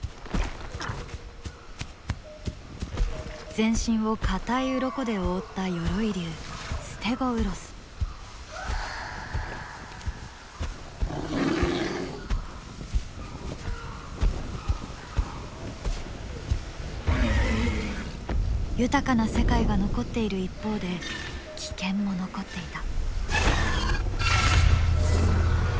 全身を硬いウロコで覆った鎧竜豊かな世界が残っている一方で危険も残っていた。